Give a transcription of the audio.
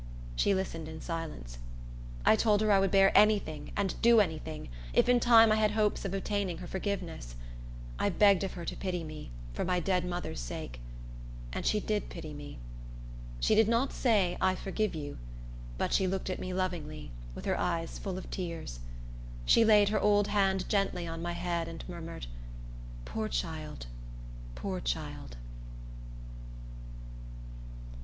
She listened in silence. I told her I would bear any thing and do any thing, if in time I had hopes of obtaining her forgiveness. I begged of her to pity me, for my dead mother's sake. And she did pity me. She did not say, "I forgive you;" but she looked at me lovingly, with her eyes full of tears. She laid her old hand gently on my head, and murmured, "Poor child! Poor child!"